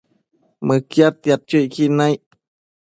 Mëquiadtiadquio icquid naic